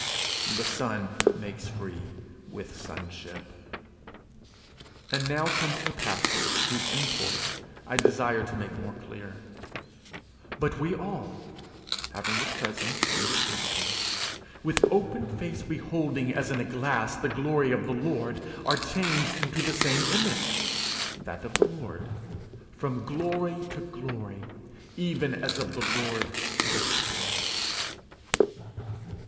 The Son makes free with sonship. And now comes the passage whose import I desire to make more clear: 'But we all,' having this presence and this liberty, 'with open face beholding as in a glass the glory of the Lord, are changed into the same image,' that of the Lord, 'from glory to glory, even as of the Lord, the spirit.'